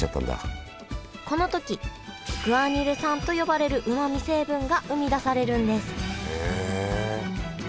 この時グアニル酸と呼ばれるうまみ成分が生み出されるんです。